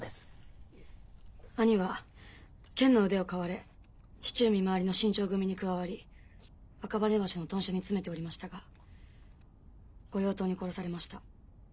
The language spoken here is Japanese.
兄は剣の腕を買われ市中見回りの新徴組に加わり赤羽橋の屯所に詰めておりましたが御用盗に殺されました。